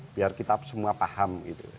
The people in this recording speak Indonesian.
biar kita semua paham